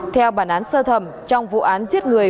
theo bản án sơ thẩm trong vụ án giết người